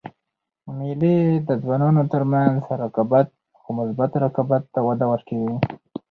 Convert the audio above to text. مېلې د ځوانانو تر منځ رقابت؛ خو مثبت رقابت ته وده ورکوي.